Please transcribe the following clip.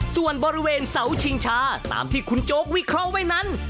ส่วนบริเวณเสาชิงชาตามที่คุณโจ๊กวิเคราะห์ไว้นั้น